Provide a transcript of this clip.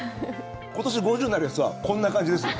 今年５０歳になるやつはこんな感じですよ。